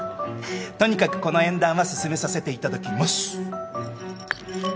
とにかくこの縁談は進めさせていただきます。